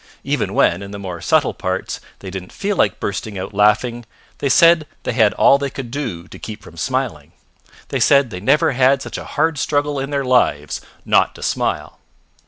Even when, in the more subtle parts, they didn't feel like bursting out laughing, they said they had all they could do to keep from smiling. They said they never had such a hard struggle in their lives not to smile.